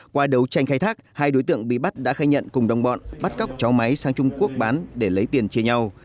qua đấu tranh khai thác hai đối tượng bị bắt đã khai nhận cùng đồng bọn bắt cóc cháu máy sang trung quốc bán để lấy tiền chia nhau